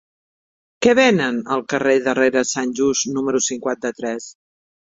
Què venen al carrer de Rere Sant Just número cinquanta-tres?